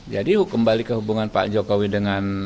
jadi kembali ke hubungan pak jokowi dengan